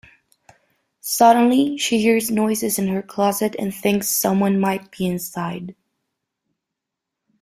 Suddenly, she hears noises in her closet and thinks someone might be inside.